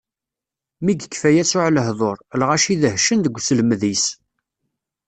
Mi yekfa Yasuɛ lehduṛ, lɣaci dehcen deg uselmed-is.